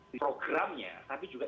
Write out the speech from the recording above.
programnya tapi juga